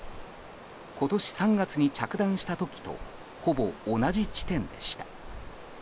今年３月に着弾した時とほぼ同じ地点でした。